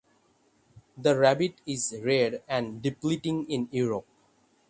The rabbit is rare and depleting in Europe.